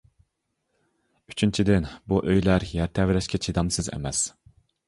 ئۈچىنچىدىن بۇ ئۆيلەر يەر تەۋرەشكە چىدامسىز ئەمەس.